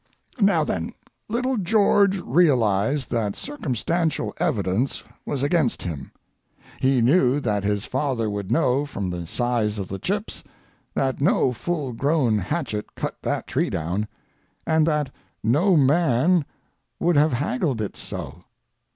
Now then, little George realized that circumstantial evidence was against him. He knew that his father would know from the size of the chips that no full grown hatchet cut that tree down, and that no man would have haggled it so.